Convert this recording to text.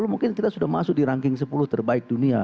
mungkin kita sudah masuk di ranking sepuluh terbaik dunia